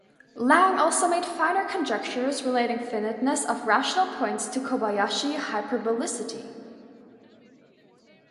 Lang also made finer conjectures relating finiteness of rational points to Kobayashi hyperbolicity.